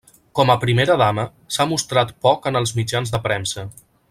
Com a primera dama, s'ha mostrat poc en els mitjans de premsa.